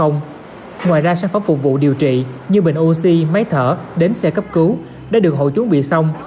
ngoài ra sản phẩm phục vụ điều trị như bệnh oxy máy thở đếm xe cấp cứu đã được hộ chuẩn bị xong